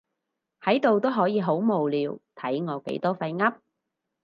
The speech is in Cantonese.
喺度都可以好無聊，睇我幾多廢噏